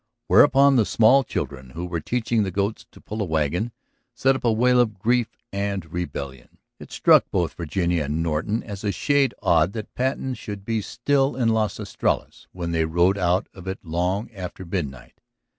Whereupon the small children, who were teaching the goats to pull a wagon, set up a wail of grief and rebellion. It struck both Virginia and Norton as a shade odd that Patten should be still in Las Estrellas when they rode out of it long after midnight.